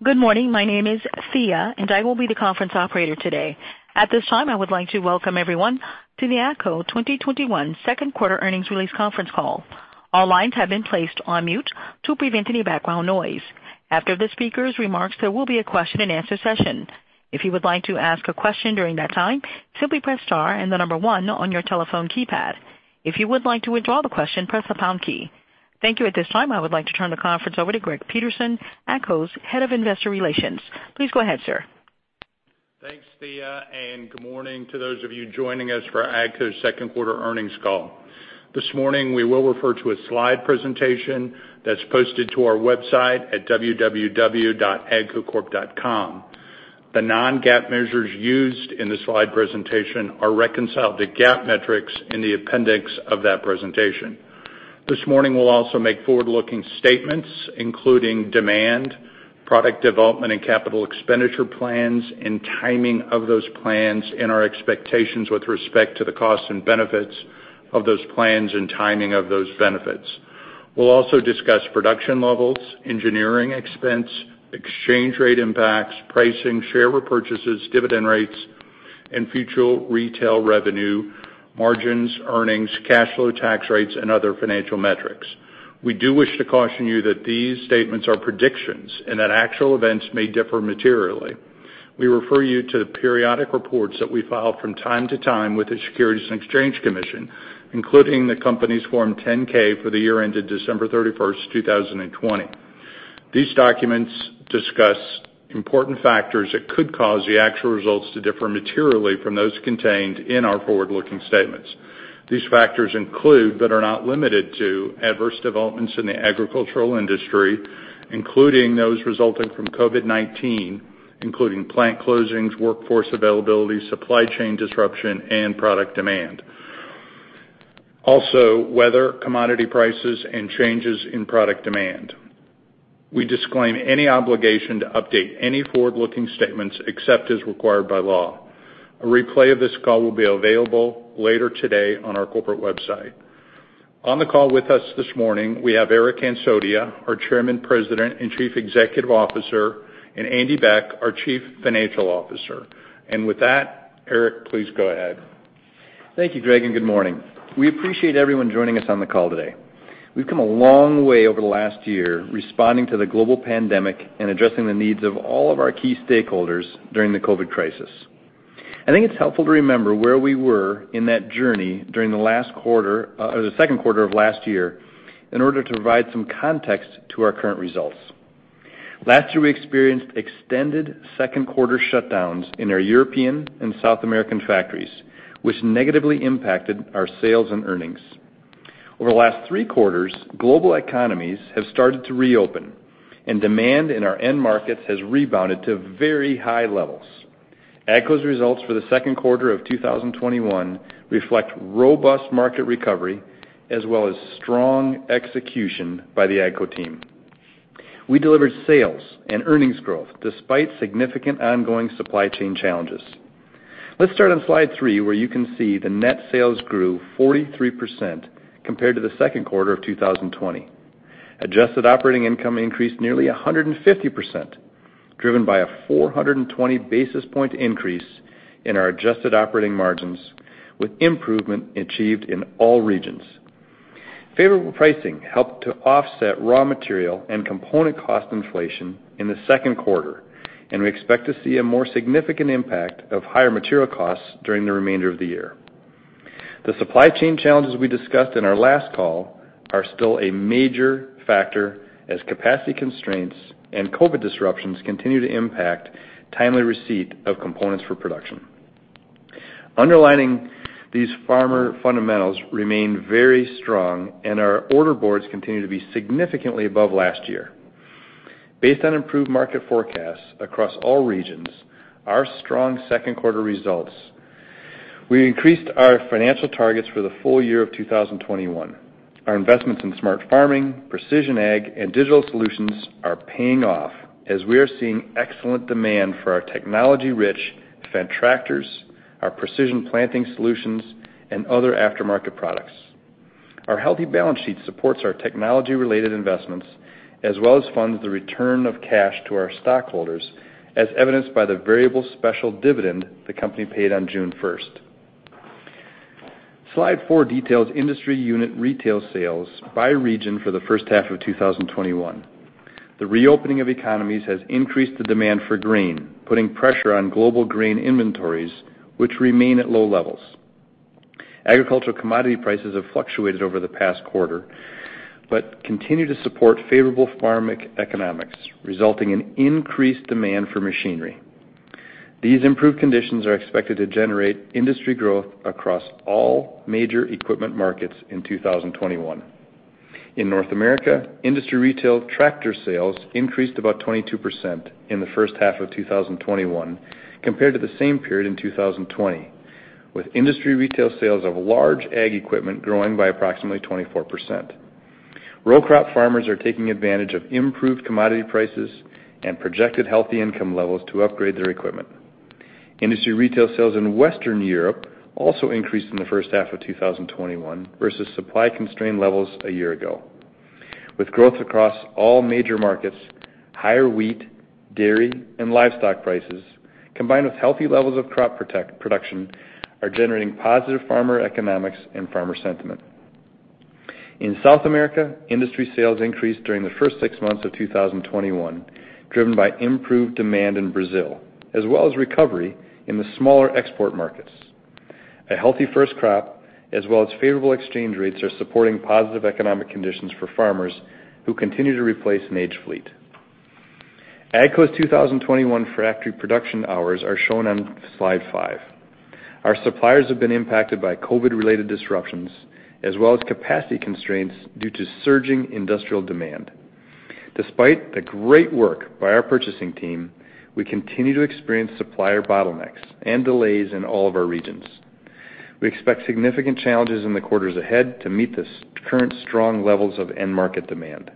Good morning. My name is Thea, and I will be the conference operator today. At this time, I would like to welcome everyone to the AGCO 2021 second quarter earnings release conference call. All lines have been placed on mute to prevent any background noise. After the speakers' remarks, there will be a question-and-answer session. If you would like to ask a question during that time, simply press star and the number one on your telephone keypad. If you would like to withdraw the question, press the pound key. Thank you. At this time, I would like to turn the conference over to Greg Peterson, AGCO's Head of Investor Relations. Please go ahead, sir. Thanks, Thea, good morning to those of you joining us for AGCO's second quarter earnings call. This morning, we will refer to a slide presentation that's posted to our website at www.agcocorp.com. The non-GAAP measures used in the slide presentation are reconciled to GAAP metrics in the appendix of that presentation. This morning, we'll also make forward-looking statements, including demand, product development and capital expenditure plans, and timing of those plans, and our expectations with respect to the costs and benefits of those plans and timing of those benefits. We'll also discuss production levels, engineering expense, exchange rate impacts, pricing, share repurchases, dividend rates, and future retail revenue, margins, earnings, cash flow, tax rates, and other financial metrics. We do wish to caution you that these statements are predictions and that actual events may differ materially. We refer you to the periodic reports that we file from time to time with the Securities and Exchange Commission, including the company's Form 10-K for the year ended December 31st, 2020. These documents discuss important factors that could cause the actual results to differ materially from those contained in our forward-looking statements. These factors include, but are not limited to, adverse developments in the agricultural industry, including those resulting from COVID-19, including plant closings, workforce availability, supply chain disruption, and product demand. Also, weather, commodity prices, and changes in product demand. We disclaim any obligation to update any forward-looking statements except as required by law. A replay of this call will be available later today on our corporate website. On the call with us this morning, we have Eric Hansotia, our Chairman, President, and Chief Executive Officer, and Andy Beck, our Chief Financial Officer. With that, Eric, please go ahead. Thank you, Greg, and good morning. We appreciate everyone joining us on the call today. We've come a long way over the last year responding to the global pandemic and addressing the needs of all of our key stakeholders during the COVID crisis. I think it's helpful to remember where we were in that journey during the second quarter of last year in order to provide some context to our current results. Last year, we experienced extended second quarter shutdowns in our European and South American factories, which negatively impacted our sales and earnings. Over the last three quarters, global economies have started to reopen, and demand in our end markets has rebounded to very high levels. AGCO's results for the second quarter of 2021 reflect robust market recovery, as well as strong execution by the AGCO team. We delivered sales and earnings growth despite significant ongoing supply chain challenges. Let's start on slide three, where you can see the net sales grew 43% compared to the second quarter of 2020. Adjusted operating income increased nearly 150%, driven by a 420-basis point increase in our adjusted operating margins, with improvement achieved in all regions. Favorable pricing helped to offset raw material and component cost inflation in the second quarter, and we expect to see a more significant impact of higher material costs during the remainder of the year. The supply chain challenges we discussed in our last call are still a major factor as capacity constraints and COVID disruptions continue to impact timely receipt of components for production. Underlying these fundamentals remained very strong, and our order boards continue to be significantly above last year. Based on improved market forecasts across all regions, our strong second quarter results, we increased our financial targets for the full year of 2021. Our investments in smart farming, precision ag, and digital solutions are paying off as we are seeing excellent demand for our technology-rich Fendt tractors, our Precision Planting solutions, and other aftermarket products. Our healthy balance sheet supports our technology-related investments as well as funds the return of cash to our stockholders, as evidenced by the variable special dividend the company paid on June 1st. Slide four details industry unit retail sales by region for the first half of 2021. The reopening of economies has increased the demand for grain, putting pressure on global grain inventories, which remain at low levels. Agricultural commodity prices have fluctuated over the past quarter, but continue to support favorable farm economics, resulting in increased demand for machinery. These improved conditions are expected to generate industry growth across all major equipment markets in 2021. In North America, industry retail tractor sales increased about 22% in the first half of 2021 compared to the same period in 2020, with industry retail sales of large ag equipment growing by approximately 24%. Row crop farmers are taking advantage of improved commodity prices and projected healthy income levels to upgrade their equipment. Industry retail sales in Western Europe also increased in the first half of 2021 versus supply-constrained levels a year ago. With growth across all major markets, higher wheat, dairy, and livestock prices, combined with healthy levels of crop production, are generating positive farmer economics and farmer sentiment. In South America, industry sales increased during the first six months of 2021, driven by improved demand in Brazil, as well as recovery in the smaller export markets. A healthy first crop, as well as favorable exchange rates, are supporting positive economic conditions for farmers who continue to replace an aged fleet. AGCO's 2021 factory production hours are shown on slide five. Our suppliers have been impacted by COVID-related disruptions, as well as capacity constraints due to surging industrial demand. Despite the great work by our purchasing team, we continue to experience supplier bottlenecks and delays in all of our regions. We expect significant challenges in the quarters ahead to meet the current strong levels of end market demand.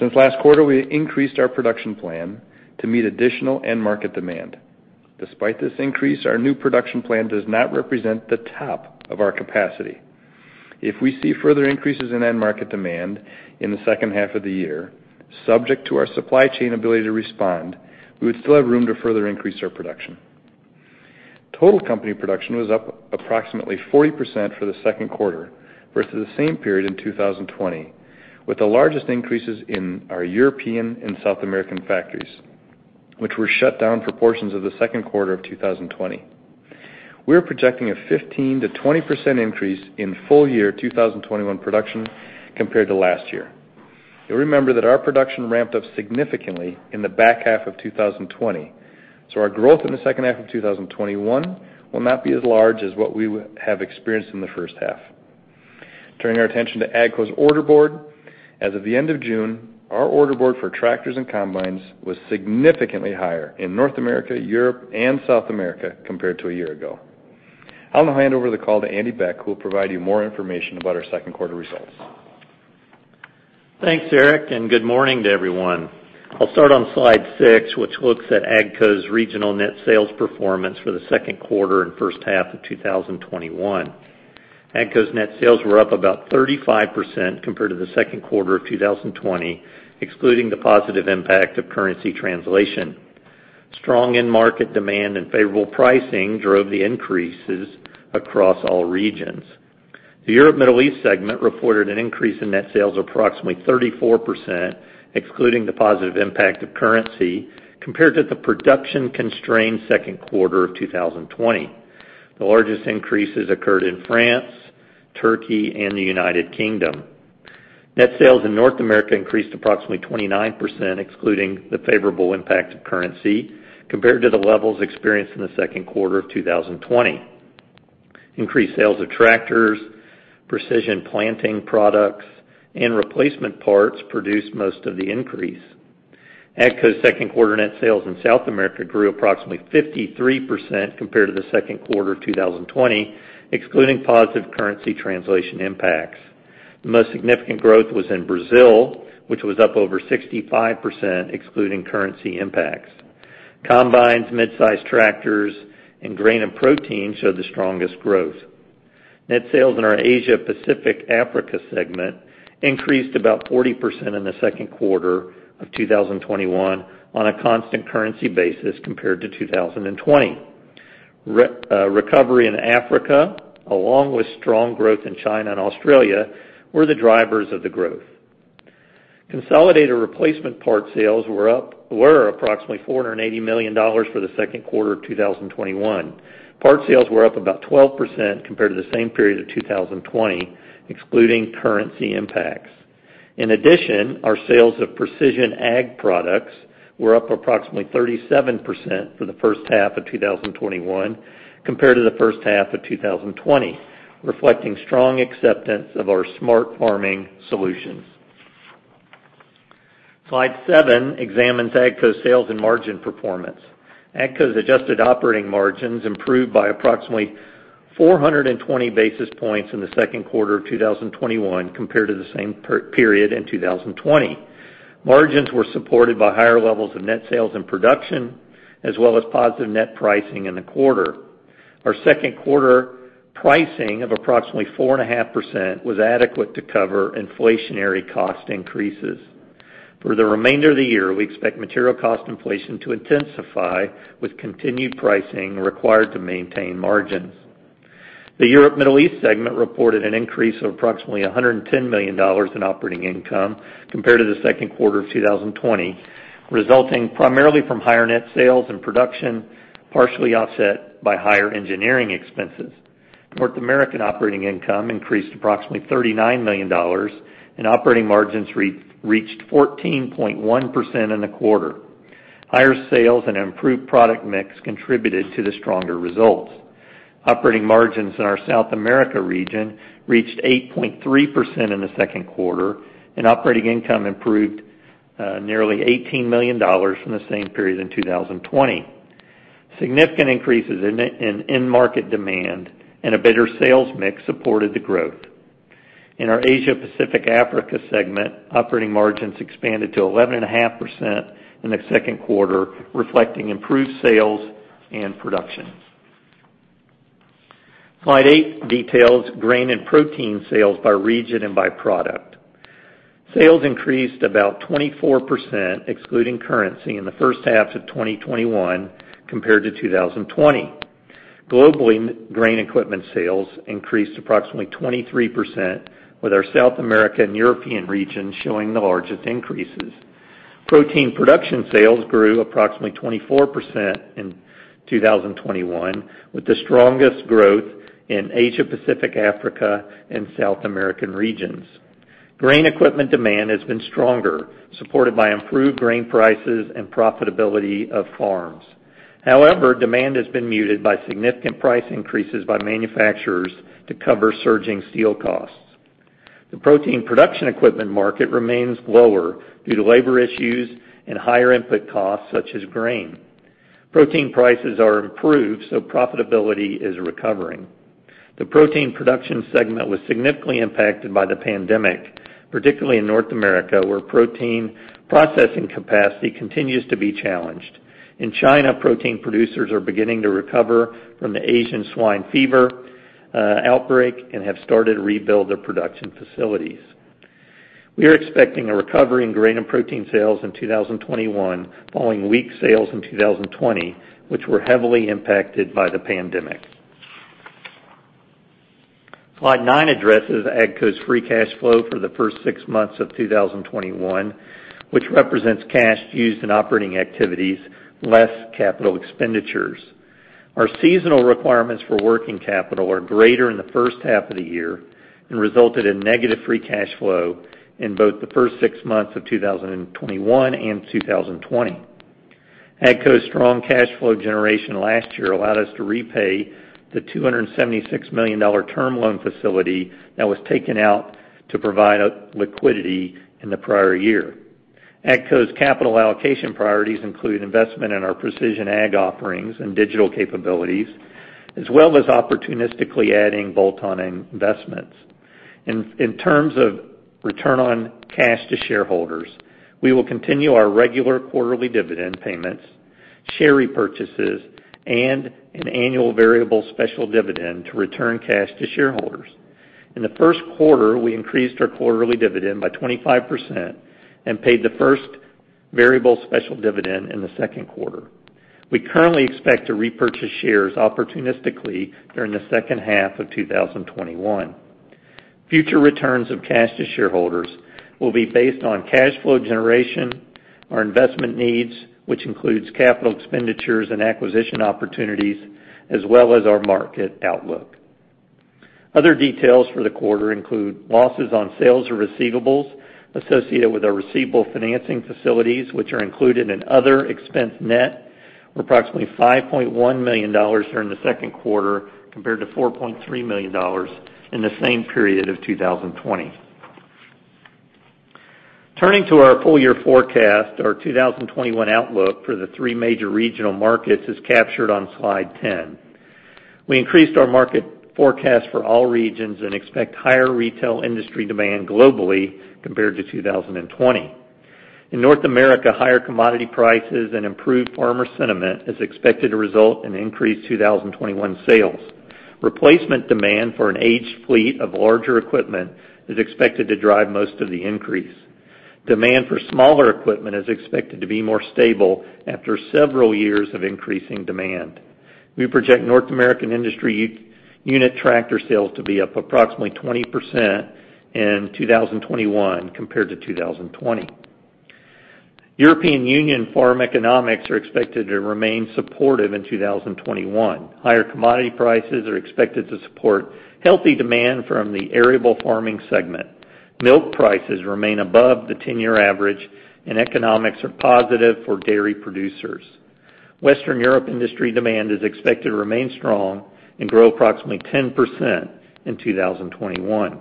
Since last quarter, we increased our production plan to meet additional end market demand. Despite this increase, our new production plan does not represent the top of our capacity. If we see further increases in end market demand in the second half of the year, subject to our supply chain ability to respond, we would still have room to further increase our production. Total company production was up approximately 40% for the second quarter versus the same period in 2020, with the largest increases in our European and South American factories, which were shut down for portions of the second quarter of 2020. We're projecting a 15%-20% increase in full year 2021 production compared to last year. You'll remember that our production ramped up significantly in the back half of 2020, so our growth in the second half of 2021 will not be as large as what we have experienced in the first half. Turning our attention to AGCO's order board. As of the end of June, our order board for tractors and combines was significantly higher in North America, Europe, and South America compared to a year ago. I'll now hand over the call to Andy Beck, who will provide you more information about our second quarter results. Thanks, Eric, and good morning to everyone. I'll start on slide six, which looks at AGCO's regional net sales performance for the second quarter and first half of 2021. AGCO's net sales were up about 35% compared to the second quarter of 2020, excluding the positive impact of currency translation. Strong end market demand and favorable pricing drove the increases across all regions. The Europe Middle East segment reported an increase in net sales of approximately 34%, excluding the positive impact of currency, compared to the production-constrained second quarter of 2020. The largest increases occurred in France, Turkey, and the United Kingdom. Net sales in North America increased approximately 29%, excluding the favorable impact of currency, compared to the levels experienced in the second quarter of 2020. Increased sales of tractors, Precision Planting products, and replacement parts produced most of the increase. AGCO's second quarter net sales in South America grew approximately 53% compared to the second quarter 2020, excluding positive currency translation impacts. The most significant growth was in Brazil, which was up over 65%, excluding currency impacts. Combines, mid-size tractors, and Grain & Protein showed the strongest growth. Net sales in our Asia Pacific Africa segment increased about 40% in the second quarter of 2021 on a constant currency basis compared to 2020. Recovery in Africa, along with strong growth in China and Australia, were the drivers of the growth. Consolidated replacement parts sales were approximately $480 million for the second quarter of 2021. Parts sales were up about 12% compared to the same period of 2020, excluding currency impacts. Our sales of precision ag products were up approximately 37% for the first half of 2021 compared to the first half of 2020, reflecting strong acceptance of our smart farming solutions. Slide seven examines AGCO sales and margin performance. AGCO's adjusted operating margins improved by approximately 420 basis points in the second quarter of 2021 compared to the same period in 2020. Margins were supported by higher levels of net sales and production, as well as positive net pricing in the quarter. Our second quarter pricing of approximately 4.5% was adequate to cover inflationary cost increases. For the remainder of the year, we expect material cost inflation to intensify with continued pricing required to maintain margins. The Europe Middle East segment reported an increase of approximately $110 million in operating income compared to the second quarter of 2020, resulting primarily from higher net sales and production, partially offset by higher engineering expenses. North American operating income increased approximately $39 million, and operating margins reached 14.1% in the quarter. Higher sales and improved product mix contributed to the stronger results. Operating margins in our South America region reached 8.3% in the second quarter, and operating income improved nearly $18 million from the same period in 2020. Significant increases in end market demand and a better sales mix supported the growth. In our Asia Pacific Africa segment, operating margins expanded to 11.5% in the second quarter, reflecting improved sales and production. Slide eight details Grain & Protein sales by region and by product. Sales increased about 24%, excluding currency, in the first half of 2021 compared to 2020. Globally, grain equipment sales increased approximately 23%, with our South America and European regions showing the largest increases. Protein production sales grew approximately 24% in 2021, with the strongest growth in Asia Pacific Africa and South American regions. Grain equipment demand has been stronger, supported by improved grain prices and profitability of farms. Demand has been muted by significant price increases by manufacturers to cover surging steel costs. The protein production equipment market remains lower due to labor issues and higher input costs, such as grain. Protein prices are improved, so profitability is recovering. The protein production segment was significantly impacted by the pandemic, particularly in North America, where protein processing capacity continues to be challenged. In China, protein producers are beginning to recover from the Asian swine fever outbreak and have started to rebuild their production facilities. We are expecting a recovery in Grain & Protein sales in 2021 following weak sales in 2020, which were heavily impacted by the pandemic. Slide nine addresses AGCO's free cash flow for the first six months of 2021, which represents cash used in operating activities less capital expenditures. Our seasonal requirements for working capital are greater in the first half of the year and resulted in negative free cash flow in both the first six months of 2021 and 2020. AGCO's strong cash flow generation last year allowed us to repay the $276 million term loan facility that was taken out to provide liquidity in the prior year. AGCO's capital allocation priorities include investment in our precision ag offerings and digital capabilities, as well as opportunistically adding bolt-on investments. In terms of return on cash to shareholders, we will continue our regular quarterly dividend payments, share repurchases, and an annual variable special dividend to return cash to shareholders. In the first quarter, we increased our quarterly dividend by 25% and paid the first variable special dividend in the second quarter. We currently expect to repurchase shares opportunistically during the second half of 2021. Future returns of cash to shareholders will be based on cash flow generation, our investment needs, which includes capital expenditures and acquisition opportunities, as well as our market outlook. Other details for the quarter include losses on sales or receivables associated with our receivable financing facilities, which are included in other expense net of approximately $5.1 million during the second quarter, compared to $4.3 million in the same period of 2020. Turning to our full-year forecast, our 2021 outlook for the three major regional markets is captured on slide 10. We increased our market forecast for all regions and expect higher retail industry demand globally compared to 2020. In North America, higher commodity prices and improved farmer sentiment is expected to result in increased 2021 sales. Replacement demand for an aged fleet of larger equipment is expected to drive most of the increase. Demand for smaller equipment is expected to be more stable after several years of increasing demand. We project North American Industry unit tractor sales to be up approximately 20% in 2021 compared to 2020. European Union farm economics are expected to remain supportive in 2021. Higher commodity prices are expected to support healthy demand from the arable farming segment. Milk prices remain above the 10-year average and economics are positive for dairy producers. Western Europe industry demand is expected to remain strong and grow approximately 10% in 2021.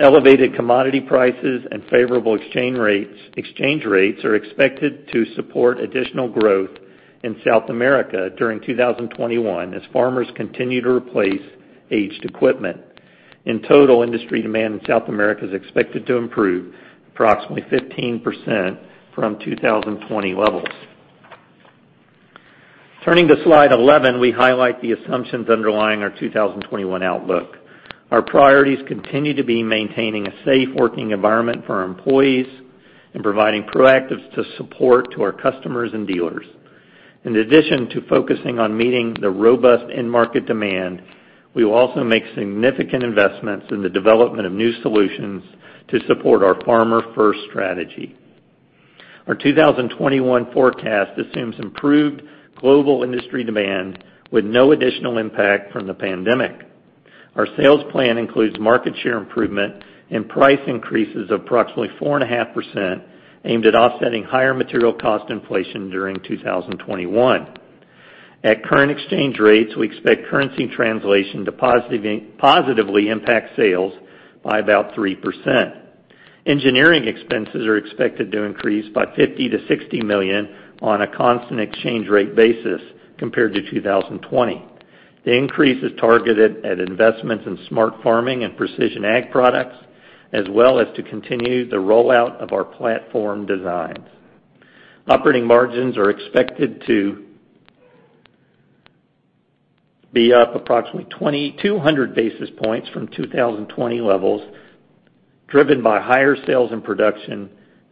Elevated commodity prices and favorable exchange rates are expected to support additional growth in South America during 2021 as farmers continue to replace aged equipment. In total, industry demand in South America is expected to improve approximately 15% from 2020 levels. Turning to slide 11, we highlight the assumptions underlying our 2021 outlook. Our priorities continue to be maintaining a safe working environment for our employees and providing proactive support to our customers and dealers. In addition to focusing on meeting the robust end market demand, we will also make significant investments in the development of new solutions to support our Farmer-First strategy. Our 2021 forecast assumes improved global industry demand with no additional impact from the pandemic. Our sales plan includes market share improvement and price increases of approximately 4.5% aimed at offsetting higher material cost inflation during 2021. At current exchange rates, we expect currency translation to positively impact sales by about 3%. Engineering expenses are expected to increase by $50 million-$60 million on a constant exchange rate basis compared to 2020. The increase is targeted at investments in smart farming and precision ag products, as well as to continue the rollout of our platform designs. Operating margins are expected to be up approximately 200 basis points from 2020 levels, driven by higher sales and production,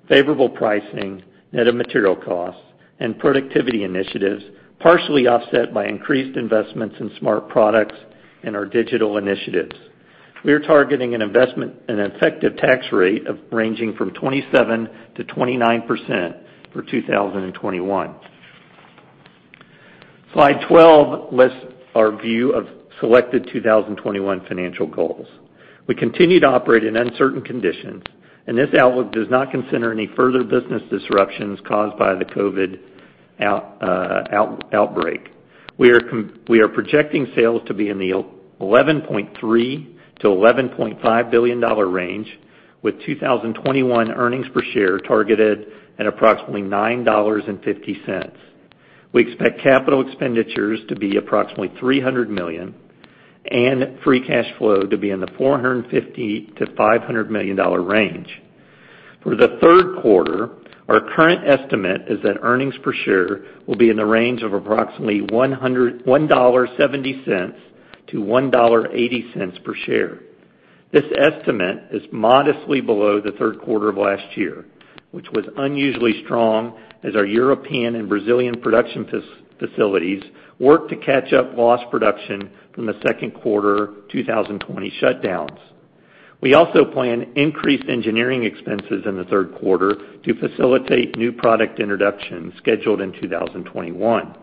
favorable pricing, net of material costs, and productivity initiatives, partially offset by increased investments in smart products and our digital initiatives. We are targeting an investment and effective tax rate ranging from 27%-29% for 2021. Slide 12 lists our view of selected 2021 financial goals. We continue to operate in uncertain conditions, and this outlook does not consider any further business disruptions caused by the COVID outbreak. We are projecting sales to be in the $11.3 billion-$11.5 billion range, with 2021 earnings per share targeted at approximately $9.50. We expect capital expenditures to be approximately $300 million, and free cash flow to be in the $450 million-$500 million range. For the third quarter, our current estimate is that earnings per share will be in the range of approximately $1.70-$1.80 per share. This estimate is modestly below the third quarter of last year, which was unusually strong as our European and Brazilian production facilities worked to catch up lost production from the second quarter 2020 shutdowns. We also plan increased engineering expenses in the third quarter to facilitate new product introductions scheduled in 2021.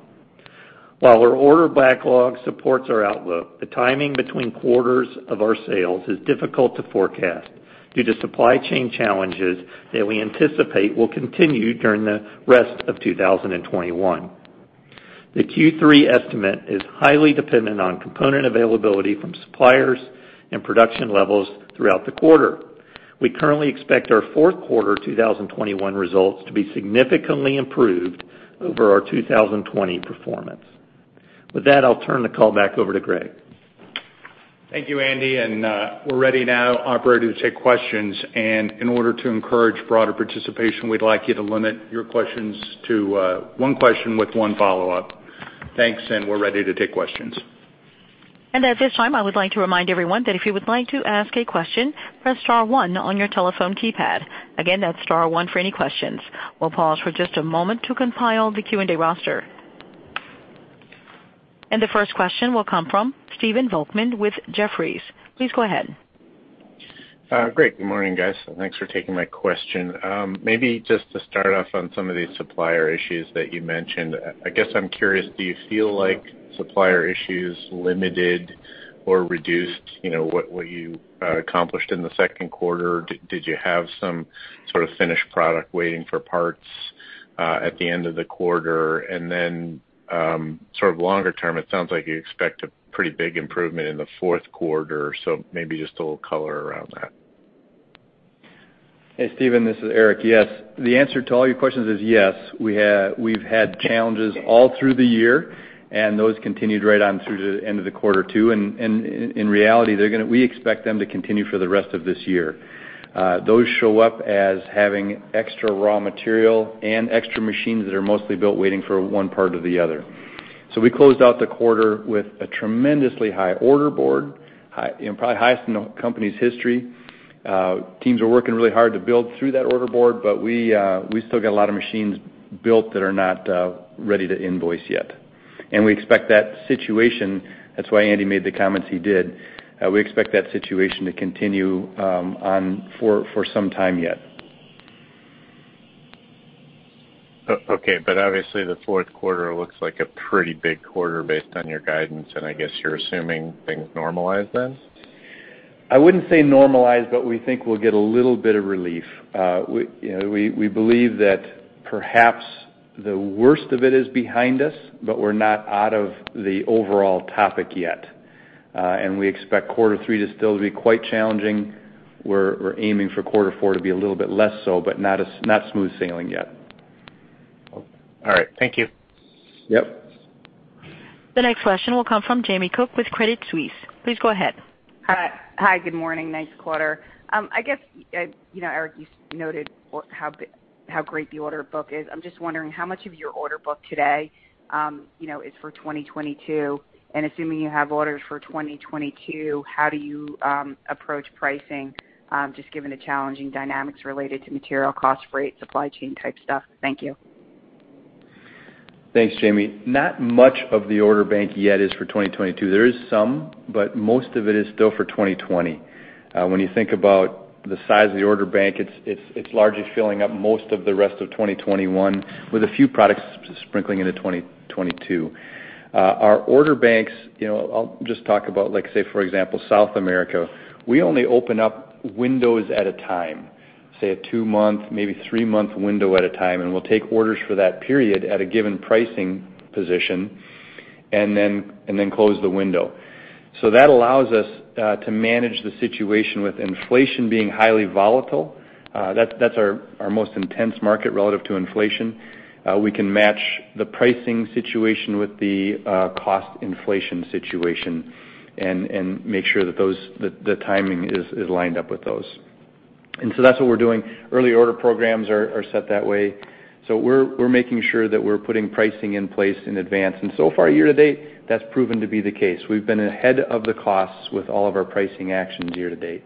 While our order backlog supports our outlook, the timing between quarters of our sales is difficult to forecast due to supply chain challenges that we anticipate will continue during the rest of 2021. The Q3 estimate is highly dependent on component availability from suppliers and production levels throughout the quarter. We currently expect our fourth quarter 2021 results to be significantly improved over our 2020 performance. With that, I'll turn the call back over to Greg. Thank you, Andy. We're ready now, Operator, to take questions. In order to encourage broader participation, we'd like you to limit your questions to one question with one follow-up. Thanks. We're ready to take questions. At this time, I would like to remind everyone that if you would like to ask a question, press star one on your telephone keypad. Again, that's star one for any questions. We'll pause for just a moment to compile the Q&A roster. The first question will come from Stephen Volkmann with Jefferies. Please go ahead. Great. Good morning, guys. Thanks for taking my question. Maybe just to start off on some of the supplier issues that you mentioned, I guess I'm curious, do you feel like supplier issues limited or reduced what you accomplished in the second quarter? Did you have some sort of finished product waiting for parts at the end of the quarter? Longer-term, it sounds like you expect a pretty big improvement in the fourth quarter. Maybe just a little color around that. Hey, Stephen, this is Eric. Yes. The answer to all your questions is yes, we've had challenges all through the year, and those continued right on through to the end of the quarter, too. In reality, we expect them to continue for the rest of this year. Those show up as having extra raw material and extra machines that are mostly built waiting for one part or the other. We closed out the quarter with a tremendously high order board, probably the highest in the company's history. Teams are working really hard to build through that order board, but we still got a lot of machines built that are not ready to invoice yet. We expect that situation, that's why Andy Beck made the comments he did, we expect that situation to continue on for some time yet. Okay. Obviously, the fourth quarter looks like a pretty big quarter based on your guidance, and I guess you're assuming things normalize then? I wouldn't say normalize, but we think we'll get a little bit of relief. We believe that perhaps the worst of it is behind us, but we're not out of the overall topic yet. We expect quarter three to still be quite challenging. We're aiming for quarter four to be a little bit less so, but not smooth sailing yet. All right. Thank you. Yep. The next question will come from Jamie Cook with Credit Suisse. Please go ahead. Hi. Good morning. Nice quarter. I guess, Eric, you noted how great the order book is. I'm just wondering how much of your order book today is for 2022? Assuming you have orders for 2022, how do you approach pricing, just given the challenging dynamics related to material cost, freight, supply chain type stuff? Thank you. Thanks, Jamie. Not much of the order bank yet is for 2022. There is some, but most of it is still for 2020. When you think about the size of the order bank, it's largely filling up most of the rest of 2021 with a few products sprinkling into 2022. Our order banks, I'll just talk about, say, for example, South America. We only open up windows at a time, say a two-month, maybe three-month window at a time, and we'll take orders for that period at a given pricing position. Then close the window. That allows us to manage the situation with inflation being highly volatile. That's our most intense market relative to inflation. We can match the pricing situation with the cost inflation situation and make sure that the timing is lined up with those. So that's what we're doing. Early order programs are set that way. We're making sure that we're putting pricing in place in advance. So far, year to date, that's proven to be the case. We've been ahead of the costs with all of our pricing actions year to date.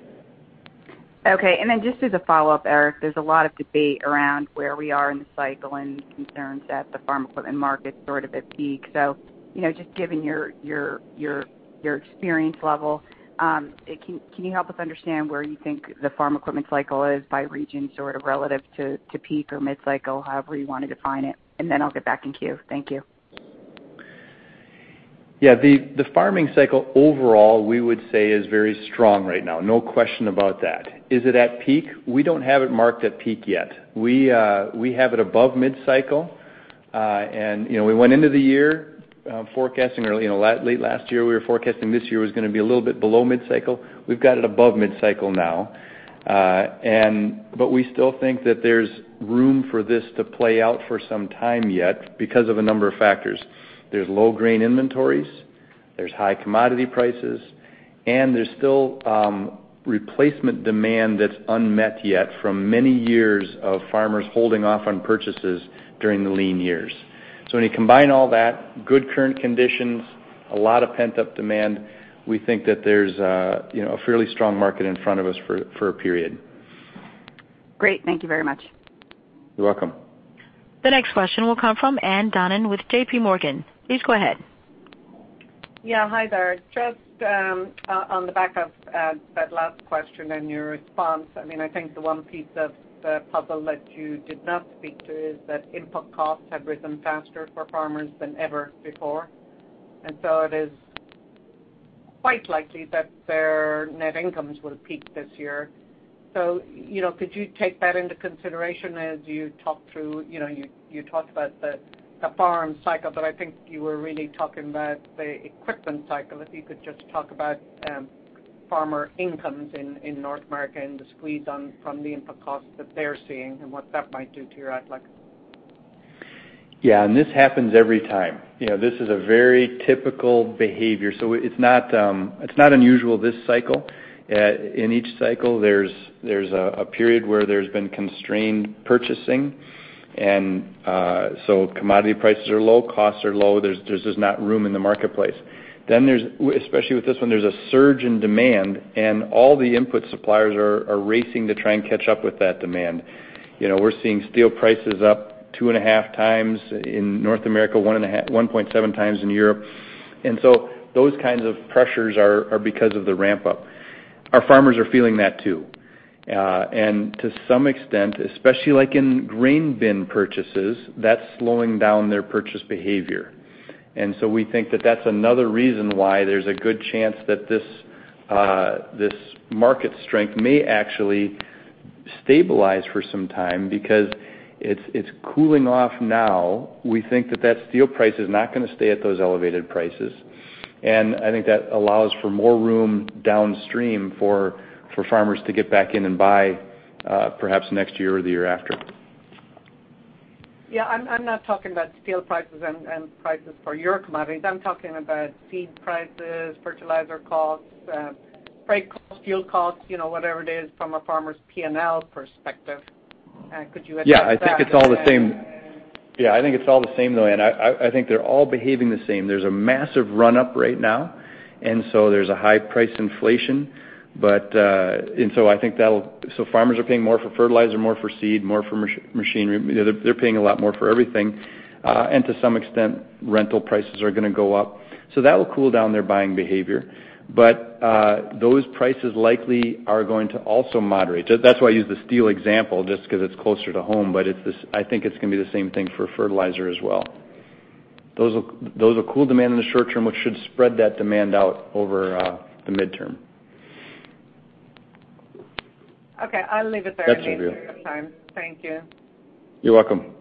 Okay. Just as a follow-up, Eric, there's a lot of debate around where we are in the cycle and concerns that the farm equipment market's sort of at peak. Just given your experience level, can you help us understand where you think the farm equipment cycle is by region, sort of relative to peak or mid-cycle, however you want to define it, and then I'll get back in queue. Thank you. The farming cycle overall, we would say is very strong right now. No question about that. Is it at peak? We don't have it marked at peak yet. We have it above mid-cycle. We went into the year forecasting early. Late last year we were forecasting this year was going to be a little bit below mid-cycle. We've got it above mid-cycle now. We still think that there's room for this to play out for some time yet because of a number of factors. There's low grain inventories, there's high commodity prices, and there's still replacement demand that's unmet yet from many years of farmers holding off on purchases during the lean years. When you combine all that, good current conditions, a lot of pent-up demand, we think that there's a fairly strong market in front of us for a period. Great. Thank you very much. You're welcome. The next question will come from Ann Duignan with JPMorgan. Please go ahead. Hi there. Just on the back of that last question and your response. I think the one piece of the puzzle that you did not speak to is that input costs have risen faster for farmers than ever before, and so it is quite likely that their net incomes will peak this year. Could you take that into consideration as you talk through You talked about the farm cycle, but I think you were really talking about the equipment cycle. If you could just talk about farmer incomes in North America and the squeeze down from the input costs that they're seeing and what that might do to your outlook. Yeah. This happens every time. This is a very typical behavior. This is not unusual this cycle. In each cycle, there's a period where there's been constrained purchasing, so commodity prices are low, costs are low, there's just not room in the marketplace. Then there's, especially with this one, there's a surge in demand and all the input suppliers are racing to try and catch up with that demand. We're seeing steel prices up 2.5x in America, 1.7x in Europe. Those kinds of pressures are because of the ramp-up. Our farmers are feeling that too. To some extent, especially like in grain bin purchases, that's slowing down their purchase behavior. We think that that's another reason why there's a good chance that this market strength may actually stabilize for some time because it's cooling off now. We think that that steel price is not going to stay at those elevated prices. I think that allows for more room downstream for farmers to get back in and buy perhaps next year or the year after. Yeah, I'm not talking about steel prices and prices for your commodities. I'm talking about seed prices, fertilizer costs, freight costs, fuel costs, whatever it is from a farmer's P&L perspective. Could you address that? Yeah, I think it's all the same though. I think they're all behaving the same. There's a massive run-up right now, there's a high-price inflation. Farmers are paying more for fertilizer, more for seed, more for machinery. They're paying a lot more for everything. To some extent, rental prices are going to go up. That will cool down their buying behavior. Those prices likely are going to also moderate. That's why I use the steel example, just because it's closer to home, I think it's going to be the same thing for fertilizer as well. Those will cool demand in the short term, which should spread that demand out over the midterm. Okay, I'll leave it there. That's a view. In the interest of time. Thank you. You're welcome.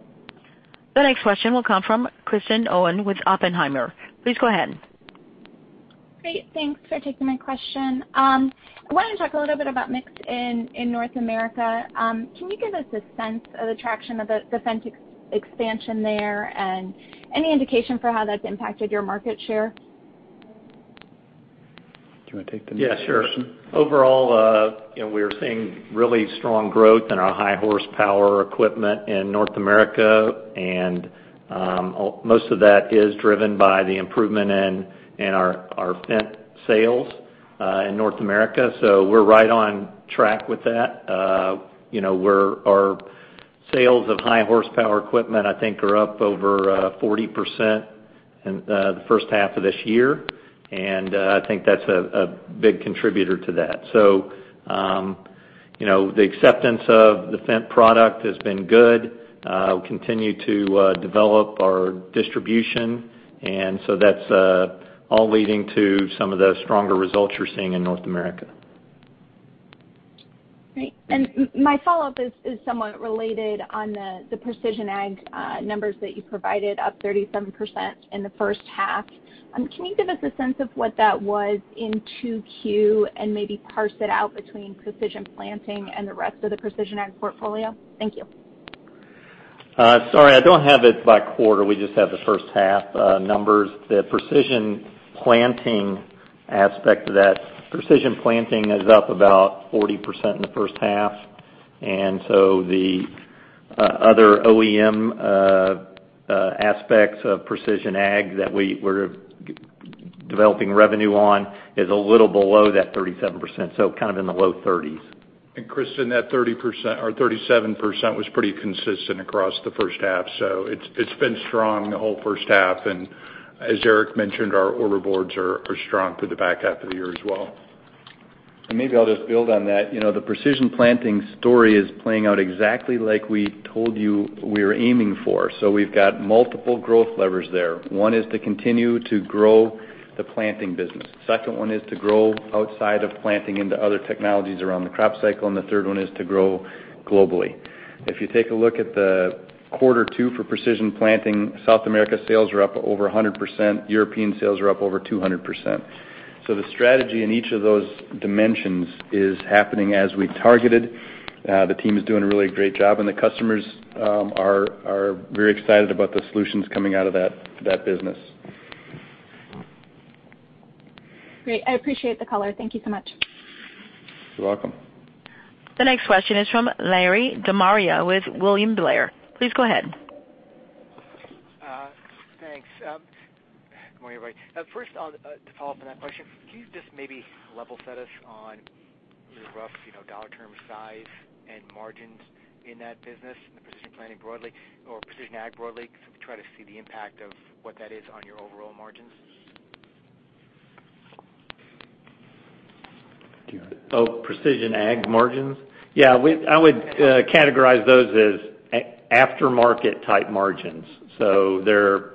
The next question will come from Kristen Owen with Oppenheimer. Please go ahead. Great. Thanks for taking my question. I wanted to talk a little bit about mix in North America. Can you give us a sense of the traction of the Fendt expansion there and any indication for how that's impacted your market share? Do you want to take the next question? Yeah, sure. Overall, we are seeing really strong growth in our high-horsepower equipment in North America, and most of that is driven by the improvement in our Fendt sales in North America. We're right on track with that. Our sales of high-horsepower equipment, I think are up over 40% in the first half of this year, and I think that's a big contributor to that. The acceptance of the Fendt product has been good. We continue to develop our distribution, and so that's all leading to some of the stronger results you're seeing in North America. Great. My follow-up is somewhat related on the Precision Ag numbers that you provided, up 37% in the first half. Can you give us a sense of what that was in 2Q and maybe parse it out between Precision Planting and the rest of the Precision Ag portfolio? Thank you. Sorry, I don't have it by quarter. We just have the first half numbers. The Precision Planting aspect of that, Precision Planting is up about 40% in the first half. The other OEM aspects of precision ag that we're developing revenue on is a little below that 37%, so kind of in the low 30s. Kristen, that 30% or 37% was pretty consistent across the first half. It's been strong the whole first half. As Eric mentioned, our order boards are strong through the back half of the year as well. Maybe I'll just build on that. The Precision Planting story is playing out exactly like we told you we were aiming for. We've got multiple growth levers there. One is to continue to grow the planting business. Second one is to grow outside of planting into other technologies around the crop cycle, and the third one is to grow globally. If you take a look at the quarter two for Precision Planting, South America sales are up over 100%, European sales are up over 200%. The strategy in each of those dimensions is happening as we targeted. The team is doing a really great job, and the customers are very excited about the solutions coming out of that business. Great. I appreciate the color. Thank you so much. You're welcome. The next question is from Larry De Maria with William Blair. Please go ahead. Thanks. Good morning, everybody. To follow up on that question, can you just maybe level set us on your rough dollar term size and margins in that business, in the Precision Planting broadly, or Precision Ag broadly, because I'm trying to see the impact of what that is on your overall margins? Precision Ag margins? Yeah, I would categorize those as aftermarket type margins. They're,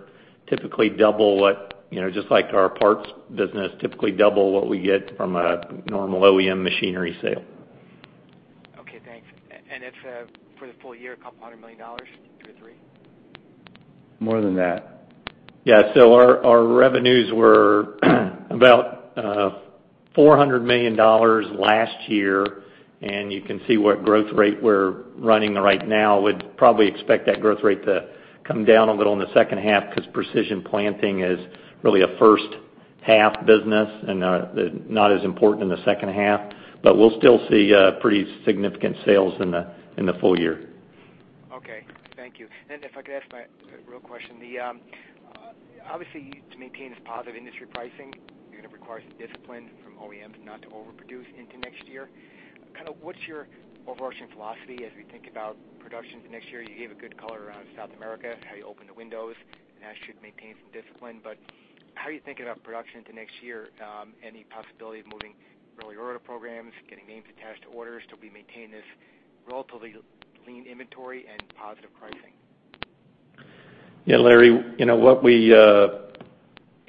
just like our parts business, typically double what we get from a normal OEM machinery sale. Okay, thanks. That's, for the full year, $200 million-$300 million? More than that. Yeah. Our revenues were about $400 million last year, and you can see what growth rate we're running right now. We'd probably expect that growth rate to come down a little in the second half because Precision Planting is really a first half business and not as important in the second half. We'll still see pretty significant sales in the full year. Okay, thank you. If I could ask my real question. Obviously, to maintain this positive industry pricing, you're going to require some discipline from OEMs not to overproduce into next year. What's your overarching philosophy as we think about production for next year? You gave a good color around South America, how you opened the windows, and that should maintain some discipline. How are you thinking about production into next year? Any possibility of moving early order programs, getting names attached to orders to maintain this relatively lean inventory and positive pricing? Yeah, Larry,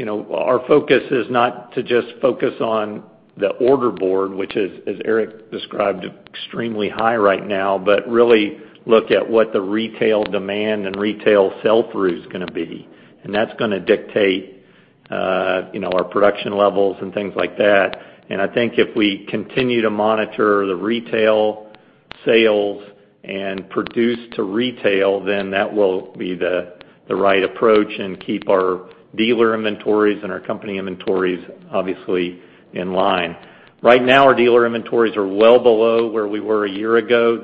our focus is not to just focus on the order board, which is, as Eric described, extremely high right now, but really look at what the retail demand and retail sell-through is going to be. That's going to dictate our production levels and things like that. I think if we continue to monitor the retail sales and produce to retail, that will be the right approach and keep our dealer inventories and our company inventories obviously in line. Right now, our dealer inventories are well below where we were a year ago.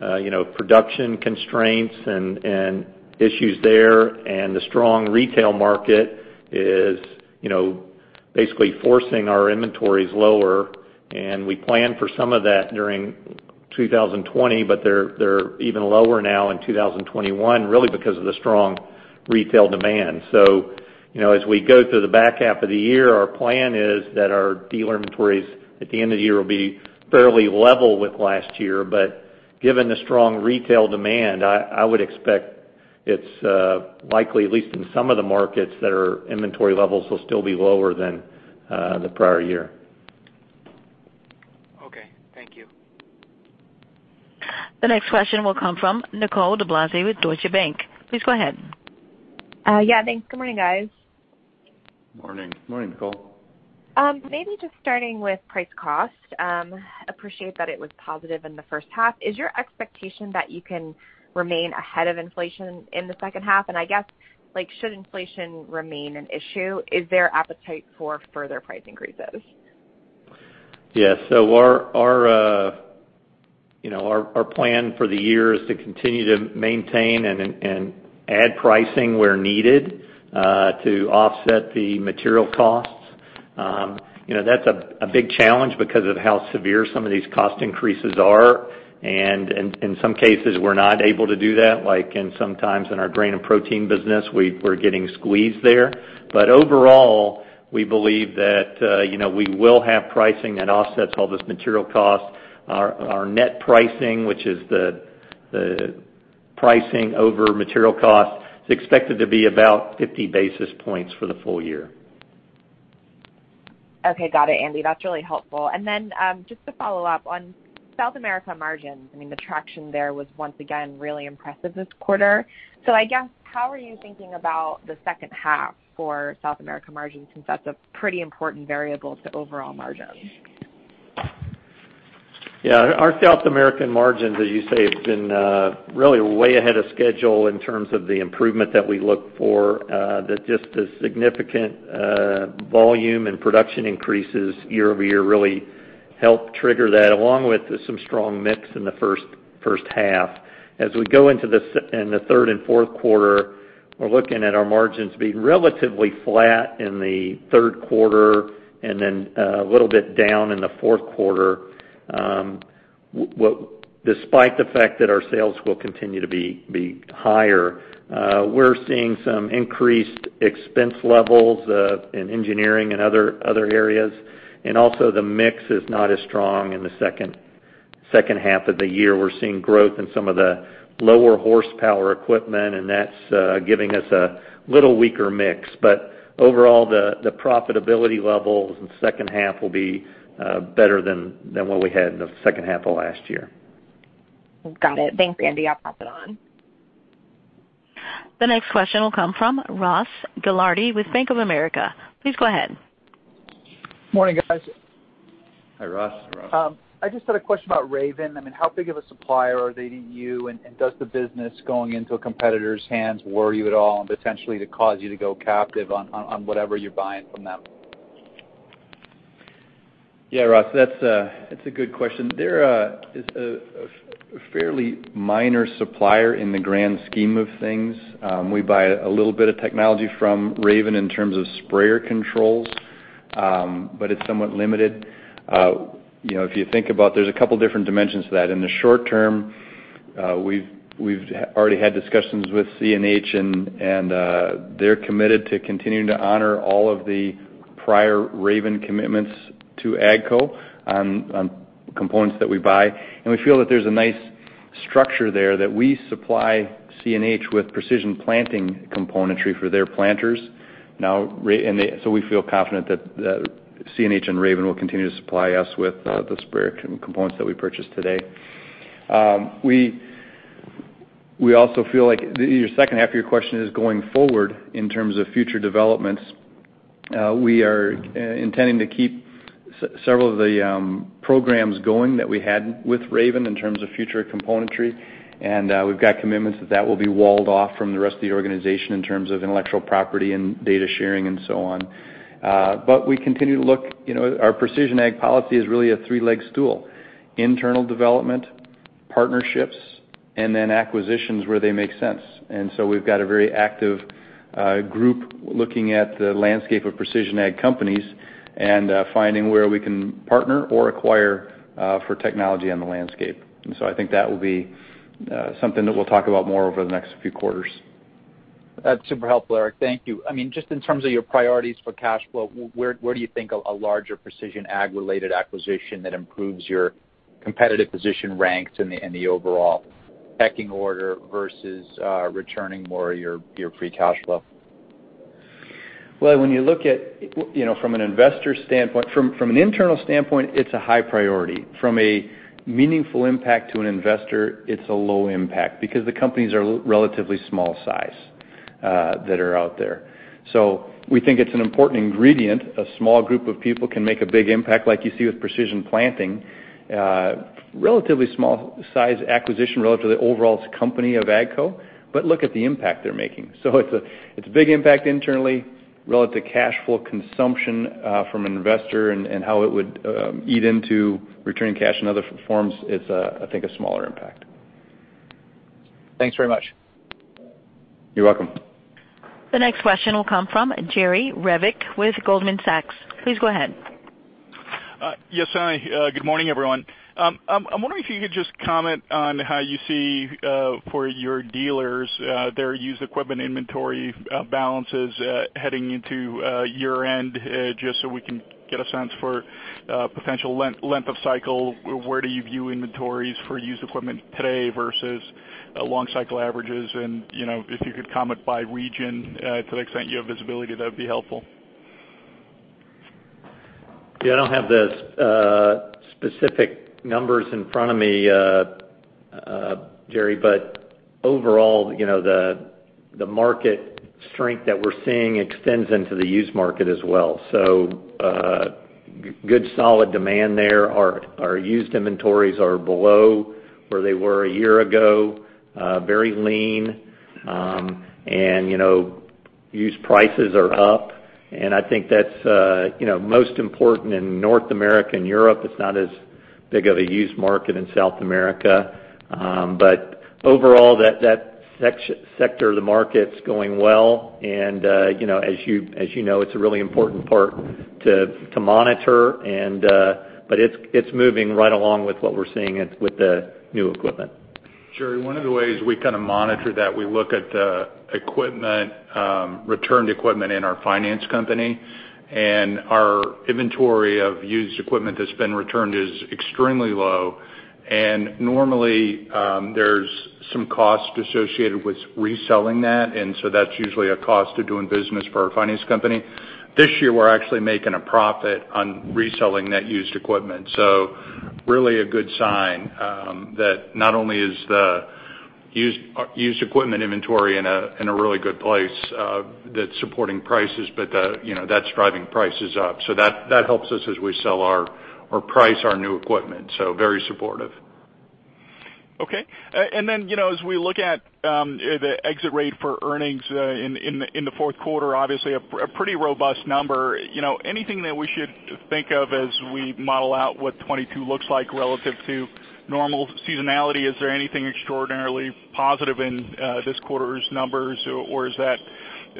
The production constraints and issues there and the strong retail market is basically forcing our inventories lower. We planned for some of that during 2020, they're even lower now in 2021, really because of the strong retail demand. As we go through the back half of the year, our plan is that our dealer inventories at the end of the year will be fairly level with last year. Given the strong retail demand, I would expect it's likely, at least in some of the markets, that our inventory levels will still be lower than the prior year. Okay. Thank you. The next question will come from Nicole DeBlase with Deutsche Bank. Please go ahead. Yeah, thanks. Good morning, guys. Morning. Morning, Nicole. Just starting with price cost. Appreciate that it was positive in the first half. Is your expectation that you can remain ahead of inflation in the second half? I guess, should inflation remain an issue? Is there appetite for further price increases? Yeah. Our plan for the year is to continue to maintain and add pricing where needed to offset the material costs. That's a big challenge because of how severe some of these cost increases are. In some cases, we're not able to do that. Like sometimes in our Grain & Protein business, we're getting squeezed there. Overall, we believe that we will have pricing that offsets all this material cost. Our net pricing, which is the pricing over material cost, is expected to be about 50 basis points for the full year. Okay. Got it, Andy. That's really helpful. Just to follow up on South America margins, the traction there was once again really impressive this quarter. How are you thinking about the second half for South America margins, since that's a pretty important variable to overall margins? Yeah. Our South American margins, as you say, have been really way ahead of schedule in terms of the improvement that we look for, that just the significant volume and production increases year-over-year really helped trigger that, along with some strong mix in the first half. As we go into the third and fourth quarter, we're looking at our margins being relatively flat in the third quarter and then a little bit down in the fourth quarter, despite the fact that our sales will continue to be higher. We're seeing some increased expense levels in engineering and other areas, and also the mix is not as strong in the second half of the year. We're seeing growth in some of the lower horsepower equipment, and that's giving us a little weaker mix. Overall, the profitability levels in the second half will be better than what we had in the second half of last year. Got it. Thanks, Andy. I'll pass it on. The next question will come from Ross Gilardi with Bank of America. Please go ahead. Morning, guys. Hi, Ross. I just had a question about Raven. How big of a supplier are they to you? Does the business going into a competitor's hands worry you at all and potentially to cause you to go captive on whatever you're buying from them? Yeah, Ross, that is a good question. They are a fairly minor supplier in the grand scheme of things. We buy a little bit of technology from Raven in terms of sprayer controls, but it is somewhat limited. If you think about, there is a couple different dimensions to that. In the short term, we have already had discussions with CNH, and they are committed to continuing to honor all of the prior Raven commitments to AGCO on components that we buy. We feel that there is a nice structure there that we supply CNH with Precision Planting componentry for their planters. We feel confident that CNH and Raven will continue to supply us with the sprayer components that we purchase today. We also feel like the second half of your question is going forward in terms of future developments. We are intending to keep several of the programs going that we had with Raven in terms of future componentry. We've got commitments that that will be walled off from the rest of the organization in terms of intellectual property and data sharing and so on. We continue to look. Our precision ag policy is really a three-leg stool: internal development, partnerships, and then acquisitions where they make sense. We've got a very active group looking at the landscape of precision ag companies and finding where we can partner or acquire for technology on the landscape. I think that will be something that we'll talk about more over the next few quarters. That's super helpful, Eric. Thank you. Just in terms of your priorities for cash flow, where do you think a larger precision ag-related acquisition that improves your competitive position ranks in the overall pecking order versus returning more of your free cash flow? Well, from an internal standpoint, it's a high priority. From a meaningful impact to an investor, it's a low impact because the companies are relatively small size that are out there. We think it's an important ingredient. A small group of people can make a big impact like you see with Precision Planting. Relatively small size acquisition relative to the overall company of AGCO, look at the impact they're making. It's a big impact internally. Relative cash flow consumption from an investor and how it would eat into returning cash in other forms is, I think, a smaller impact. Thanks very much. You're welcome. The next question will come from Jerry Revich with Goldman Sachs. Please go ahead. Hi, good morning, everyone. I'm wondering if you could just comment on how you see for your dealers, their used equipment inventory balances heading into year-end, just so we can get a sense for potential length of cycle. Where do you view inventories for used equipment today versus long cycle averages? If you could comment by region to the extent you have visibility, that would be helpful. Yeah, I don't have the specific numbers in front of me, Jerry. Overall, the market strength that we're seeing extends into the used market as well. Good solid demand there. Our used inventories are below where they were a year ago. Very lean. Used prices are up, and I think that's most important in North America and Europe. It's not as big of a used market in South America. Overall, that sector of the market's going well, and as you know, it's a really important part to monitor, but it's moving right along with what we're seeing with the new equipment. Jerry, one of the ways we kind of monitor that, we look at the returned equipment in our finance company. Our inventory of used equipment that's been returned is extremely low. Normally, there's some cost associated with reselling that. That's usually a cost of doing business for our finance company. This year, we're actually making a profit on reselling that used equipment. Really a good sign that not only is the used equipment inventory in a really good place that's supporting prices, but that's driving prices up. That helps us as we sell or price our new equipment. Very supportive. Okay. As we look at the exit rate for earnings in the fourth quarter, obviously a pretty robust number. Anything that we should think of as we model out what 2022 looks like relative to normal seasonality? Is there anything extraordinarily positive in this quarter's numbers? Is that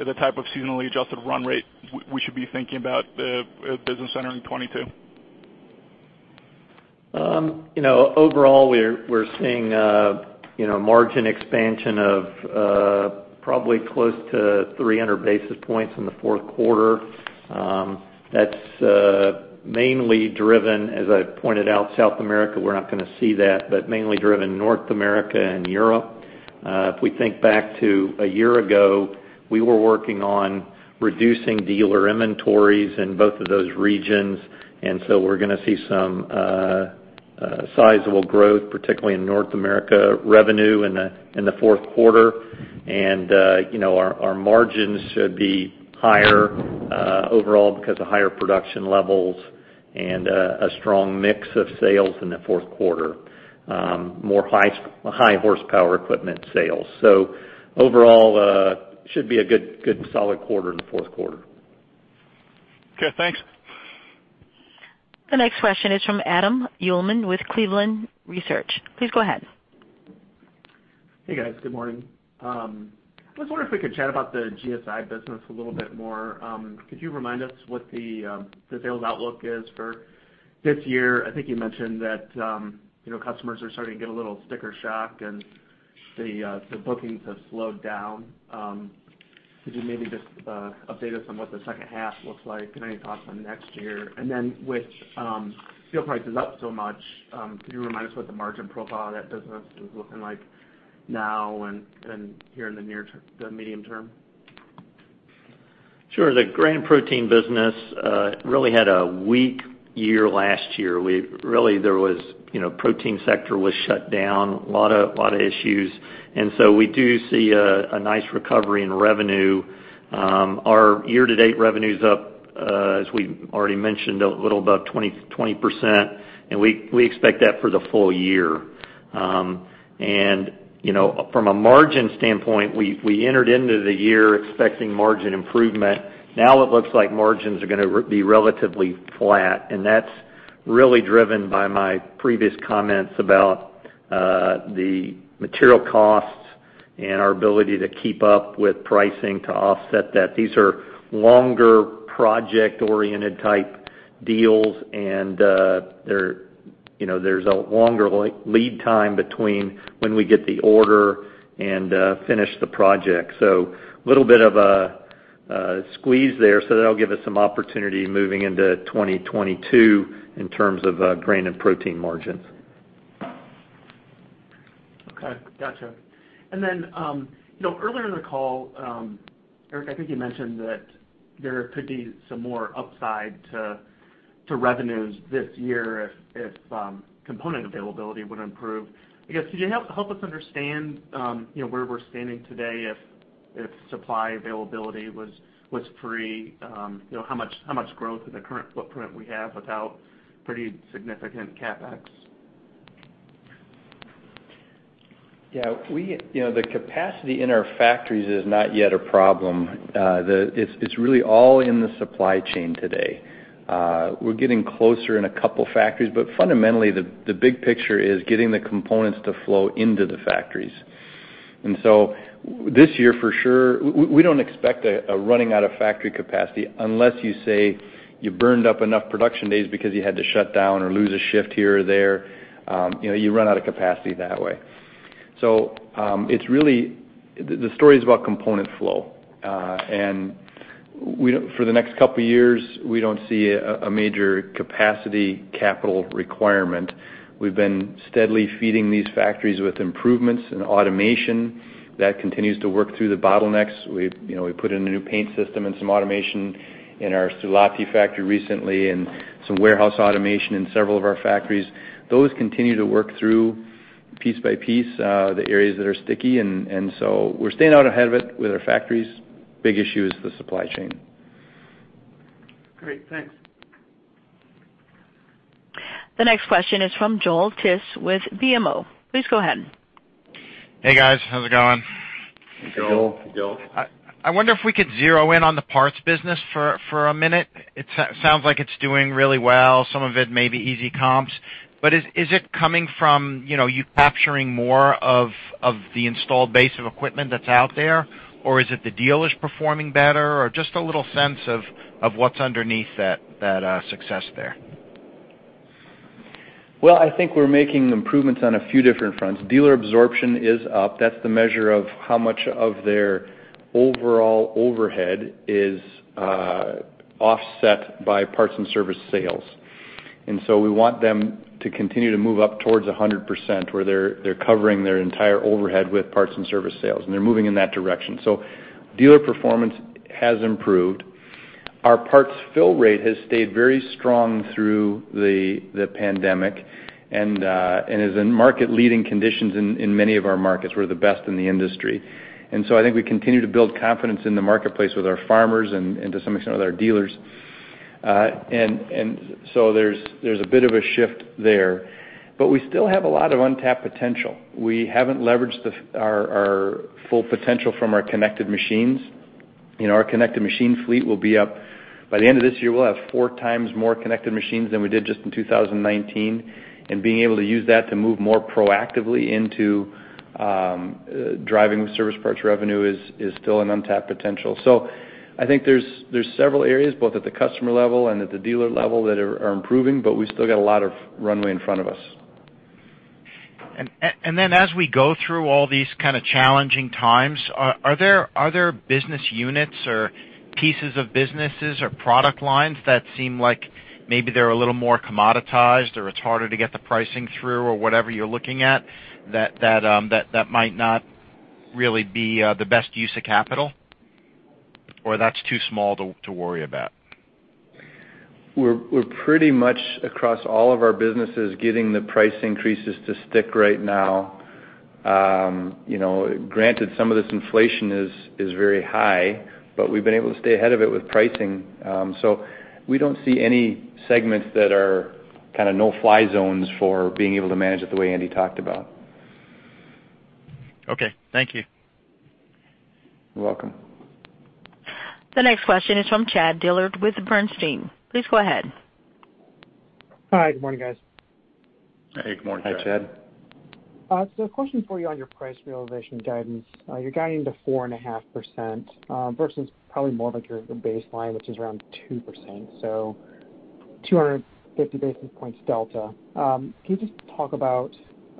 the type of seasonally adjusted run rate we should be thinking about the business entering 2022? Overall, we're seeing margin expansion of probably close to 300 basis points in the fourth quarter. That's mainly driven, as I pointed out, South America, we're not going to see that, but mainly driven North America and Europe. If we think back to a year ago, we were working on reducing dealer inventories in both of those regions, and so we're going to see some sizable growth, particularly in North America revenue in the fourth quarter. Our margins should be higher overall because of higher production levels and a strong mix of sales in the fourth quarter, more high horsepower equipment sales. Overall, should be a good solid quarter in the fourth quarter. Okay, thanks. The next question is from Adam Uhlman with Cleveland Research. Please go ahead. Hey, guys. Good morning. I was wondering if we could chat about the GSI business a little bit more. Could you remind us what the sales outlook is for this year? I think you mentioned that customers are starting to get a little sticker shock and the bookings have slowed down. Could you maybe just update us on what the second half looks like? Any thoughts on next year? With steel prices up so much, could you remind us what the margin profile of that business is looking like now and here in the medium term? Sure. The Grain & Protein business really had a weak year last year. Really, protein sector was shut down. Lot of issues. We do see a nice recovery in revenue. Our year-to-date revenue's up, as we already mentioned, a little above 20%, and we expect that for the full year. From a margin standpoint, we entered into the year expecting margin improvement. Now it looks like margins are going to be relatively flat, and that's really driven by my previous comments about the material costs and our ability to keep up with pricing to offset that. These are longer project-oriented type deals, and there's a longer lead time between when we get the order and finish the project. A little bit of a squeeze there. That'll give us some opportunity moving into 2022 in terms of Grain & Protein margins. Okay, gotcha. Earlier in the call, Eric, I think you mentioned that there could be some more upside to revenues this year if component availability would improve. Could you help us understand where we're standing today if supply availability was free? How much growth in the current footprint we have without pretty significant CapEx? Yeah. The capacity in our factories is not yet a problem. It's really all in the supply chain today. We're getting closer in a couple factories. Fundamentally, the big picture is getting the components to flow into the factories. This year for sure, we don't expect a running out of factory capacity unless you say you burned up enough production days because you had to shut down or lose a shift here or there. You run out of capacity that way. The story is about component flow. For the next couple years, we don't see a major capacity capital requirement. We've been steadily feeding these factories with improvements and automation that continues to work through the bottlenecks. We put in a new paint system and some automation in our Suolahti factory recently and some warehouse automation in several of our factories Those continue to work through piece by piece the areas that are sticky. We're staying out ahead of it with our factories. Big issue is the supply chain. Great. Thanks. The next question is from Joel Tiss with BMO. Please go ahead. Hey, guys. How's it going? Hey, Joel. Hey, Joel. I wonder if we could zero in on the parts business for a minute. It sounds like it's doing really well. Some of it may be easy comps, but is it coming from you capturing more of the installed base of equipment that's out there, or is it the dealers performing better, or just a little sense of what's underneath that success there? Well, I think we're making improvements on a few different fronts. Dealer absorption is up. That's the measure of how much of their overall overhead is offset by parts and service sales. We want them to continue to move up towards 100%, where they're covering their entire overhead with parts and service sales, and they're moving in that direction. Dealer performance has improved. Our parts fill rate has stayed very strong through the pandemic and is in market-leading conditions in many of our markets. We're the best in the industry. I think we continue to build confidence in the marketplace with our farmers and to some extent with our dealers. There's a bit of a shift there. We still have a lot of untapped potential. We haven't leveraged our full potential from our connected machines. Our connected machine fleet will be up. By the end of this year, we'll have 4x more connected machines than we did just in 2019. Being able to use that to move more proactively into driving service parts revenue is still an untapped potential. I think there's several areas, both at the customer level and at the dealer level, that are improving, we still got a lot of runway in front of us. As we go through all these kind of challenging times, are there business units or pieces of businesses or product lines that seem like maybe they're a little more commoditized, or it's harder to get the pricing through or whatever you're looking at, that might not really be the best use of capital? Or that's too small to worry about? We're pretty much across all of our businesses getting the price increases to stick right now. Granted, some of this inflation is very high, but we've been able to stay ahead of it with pricing. We don't see any segments that are kind of no-fly zones for being able to manage it the way Andy talked about. Okay. Thank you. You're welcome. The next question is from Chad Dillard with Bernstein. Please go ahead. Hi. Good morning, guys. Hey, good morning, Chad. Hi, Chad. A question for you on your price realization guidance. You're guiding to 4.5% versus probably more of like your baseline, which is around 2%. 250 basis points delta. Can you just talk about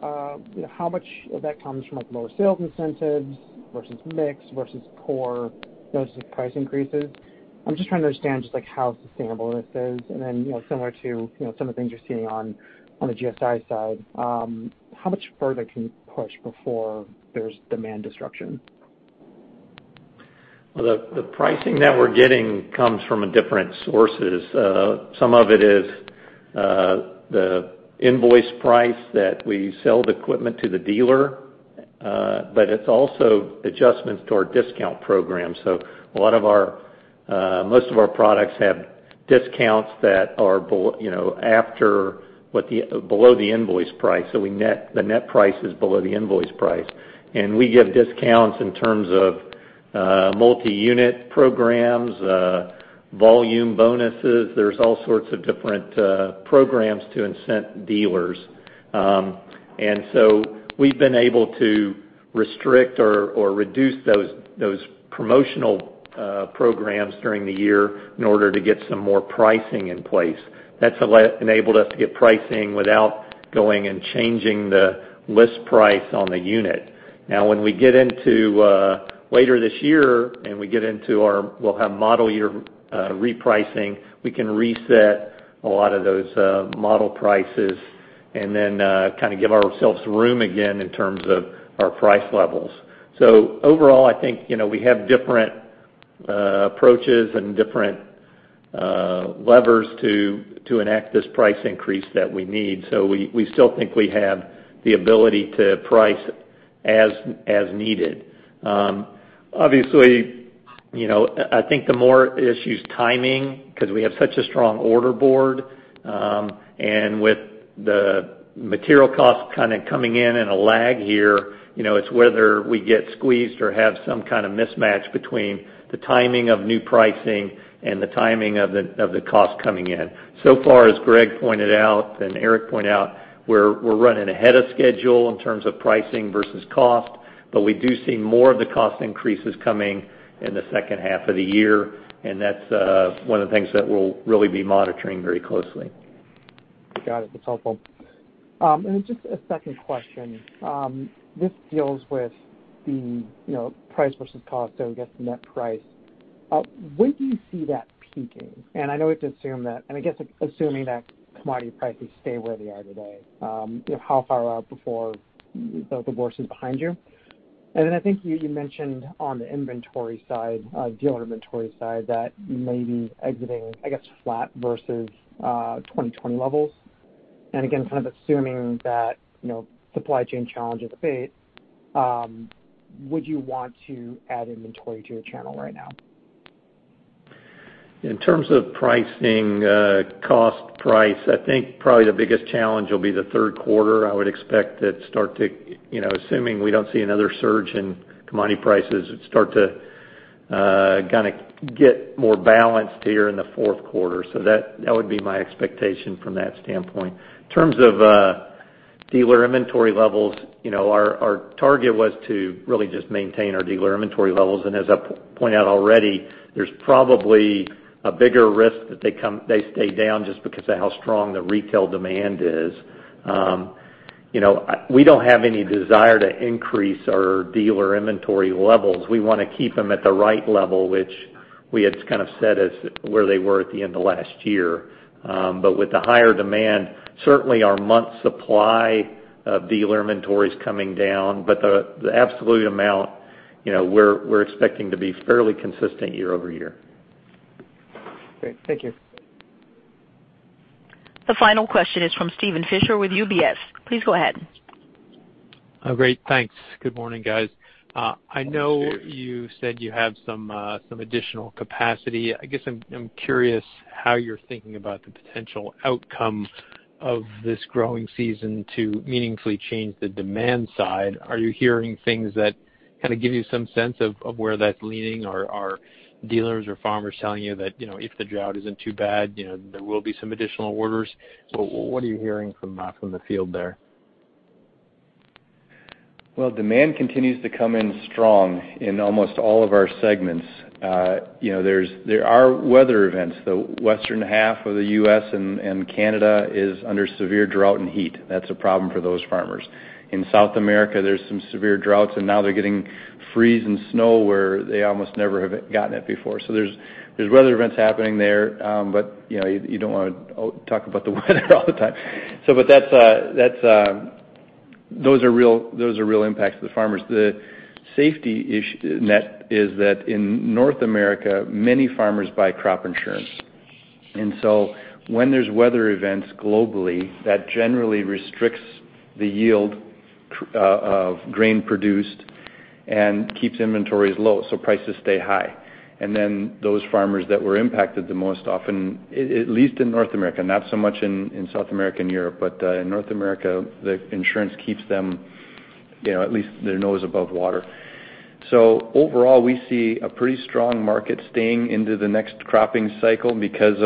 how much of that comes from lower sales incentives versus mix versus core versus price increases? I'm just trying to understand just how sustainable this is. Similar to some of the things you're seeing on the GSI side, how much further can you push before there's demand disruption? The pricing that we're getting comes from different sources. Some of it is the invoice price that we sell the equipment to the dealer but it's also adjustments to our discount program. Most of our products have discounts that are below the invoice price. The net price is below the invoice price. We give discounts in terms of multi-unit programs, volume bonuses. There's all sorts of different programs to incent dealers. We've been able to restrict or reduce those promotional programs during the year in order to get some more pricing in place. That's enabled us to get pricing without going and changing the list price on the unit. Now, when we get into later this year and we'll have model year repricing, we can reset a lot of those model prices and then kind of give ourselves room again in terms of our price levels. Overall, I think we have different approaches and different levers to enact this price increase that we need. We still think we have the ability to price as needed. Obviously, I think the more issue is timing because we have such a strong order board, and with the material costs kind of coming in in a lag year, it's whether we get squeezed or have some kind of mismatch between the timing of new pricing and the timing of the cost coming in. So far, as Greg pointed out and Eric pointed out, we're running ahead of schedule in terms of pricing versus cost. We do see more of the cost increases coming in the second half of the year. That's one of the things that we'll really be monitoring very closely. Got it. That's helpful. Just a second question. This deals with the price versus cost, so I guess the net price. When do you see that peaking? I guess assuming that commodity prices stay where they are today, how far out before the worst is behind you? I think you mentioned on the inventory side, dealer inventory side, that you may be exiting, I guess, flat versus 2020 levels. Again, kind of assuming that supply chain challenges abate, would you want to add inventory to your channel right now? In terms of pricing, cost price, I think probably the biggest challenge will be the third quarter. I would expect that, assuming we don't see another surge in commodity prices, it start to kind of get more balanced here in the fourth quarter. That would be my expectation from that standpoint. In terms of dealer inventory levels, our target was to really just maintain our dealer inventory levels. As I pointed out already, there's probably a bigger risk that they stay down just because of how strong the retail demand is. We don't have any desire to increase our dealer inventory levels. We want to keep them at the right level, which we had kind of set as where they were at the end of last year. With the higher demand, certainly our month supply of dealer inventory is coming down, but the absolute amount, we're expecting to be fairly consistent year-over-year. Great. Thank you. The final question is from Steven Fisher with UBS. Please go ahead. Great. Thanks. Good morning, guys. Good morning, Steve. I know you said you have some additional capacity. I guess I'm curious how you're thinking about the potential outcome of this growing season to meaningfully change the demand side. Are you hearing things that kind of give you some sense of where that's leading? Are dealers or farmers telling you that, if the drought isn't too bad, there will be some additional orders? What are you hearing from the field there? Well, demand continues to come in strong in almost all of our segments. There are weather events. The western half of the U.S. and Canada is under severe drought and heat. That's a problem for those farmers. In South America, there's some severe droughts, and now they're getting freeze and snow where they almost never have gotten it before. There's weather events happening there. You don't want to talk about the weather all the time. Those are real impacts to the farmers. The safety net is that in North America, many farmers buy crop insurance. When there's weather events globally, that generally restricts the yield of grain produced and keeps inventories low, so prices stay high. Those farmers that were impacted the most often, at least in North America, not so much in South America and Europe, but in North America, the insurance keeps at least their nose above water. Overall, we see a pretty strong market staying into the next cropping cycle because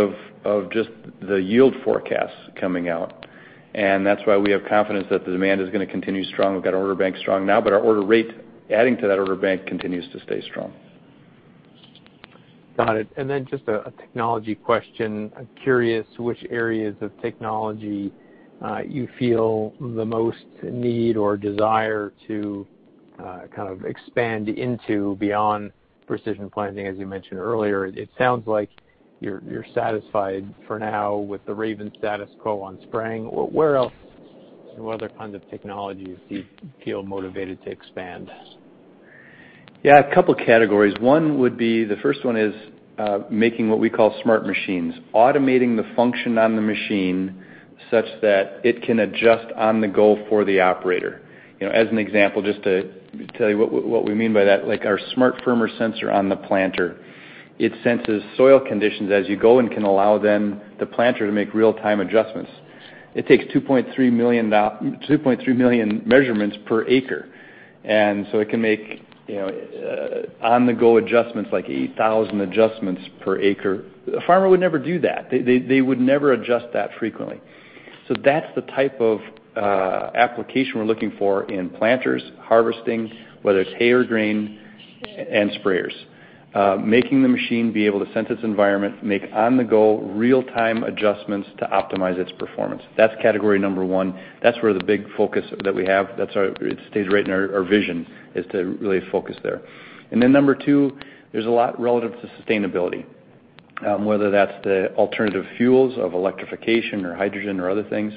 of just the yield forecasts coming out. That's why we have confidence that the demand is going to continue strong. We've got our order bank strong now, but our order rate adding to that order bank continues to stay strong. Got it. Just a technology question. I'm curious which areas of technology you feel the most need or desire to kind of expand into beyond Precision Planting, as you mentioned earlier. It sounds like you're satisfied for now with the Raven status quo on spraying. What other kinds of technologies do you feel motivated to expand? Yeah, a couple of categories. One would be, the first one is making what we call smart machines, automating the function on the machine such that it can adjust on the go for the operator. As an example, just to tell you what we mean by that, like our SmartFirmer sensor on the planter. It senses soil conditions as you go and can allow then the planter to make real-time adjustments. It takes 2.3 million measurements per acre. It can make on-the-go adjustments, like 8,000 adjustments per acre. A farmer would never do that. They would never adjust that frequently. That's the type of application we're looking for in planters, harvesting, whether it's hay or grain, and sprayers. Making the machine be able to sense its environment, make on-the-go real-time adjustments to optimize its performance. That's category number one. That's where the big focus that we have. It stays right in our vision, is to really focus there. Number two, there's a lot relative to sustainability, whether that's the alternative fuels of electrification or hydrogen or other things,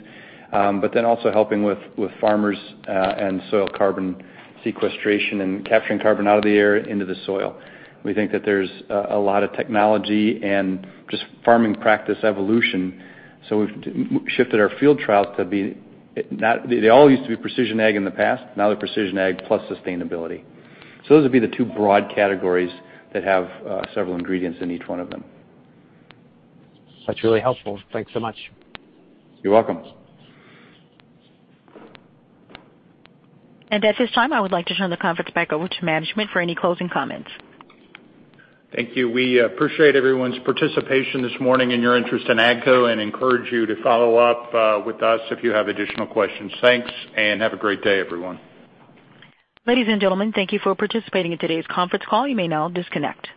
also helping with farmers and soil carbon sequestration and capturing carbon out of the air into the soil. We think that there's a lot of technology and just farming practice evolution. We've shifted our field trials. They all used to be precision ag in the past, now they're precision ag plus sustainability. Those would be the two broad categories that have several ingredients in each one of them. That's really helpful. Thanks so much. You're welcome. At this time, I would like to turn the conference back over to management for any closing comments. Thank you. We appreciate everyone's participation this morning and your interest in AGCO and encourage you to follow up with us if you have additional questions. Thanks. Have a great day, everyone. Ladies and gentlemen, thank you for participating in today's conference call. You may now disconnect.